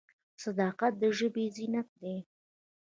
صداقت د ژبې زینت دی.